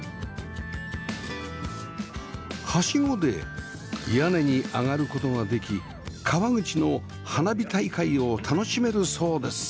はしごで屋根に上がる事ができ川口の花火大会を楽しめるそうです